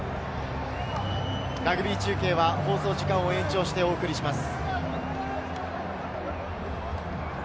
ラグビー中継は放送時間を延長してお送りします。